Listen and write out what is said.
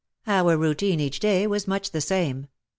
Our routine each day was much the same.